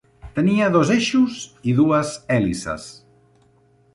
Tenia dos eixos i dues hèlices.